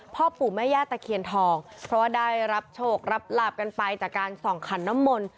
พ่อปู่แม่ย่าตะเคียนทองเพราะว่าได้รับโชครับลาบกันไปจากการส่องขันน้ำมนต์